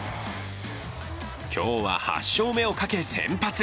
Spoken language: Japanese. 今日は８勝目をかけ先発。